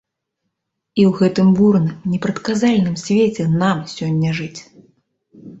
І ў гэтым бурным, непрадказальным свеце нам сёння жыць.